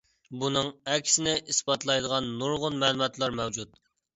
بۇنىڭ ئەكسىنى ئىسپاتلايدىغان نۇرغۇن مەلۇماتلار مەۋجۇت.